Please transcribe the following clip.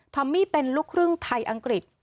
อมมี่เป็นลูกครึ่งไทยอังกฤษ